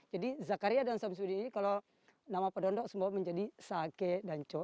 jadi zakaria dan syamsuddin ini kalau nama padondok sumbawa menjadi sake dan co